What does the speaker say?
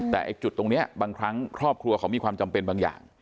แต่จุดตรงนี้บางครั้งครอบครัวเขามีความจำเป็นบางอย่าง